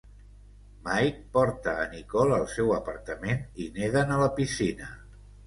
Mike porta a Nicole al seu apartament, i neden a la piscina.